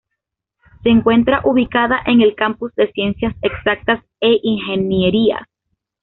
Se encuentra ubicada en el Campus de Ciencias Exactas e Ingenierías.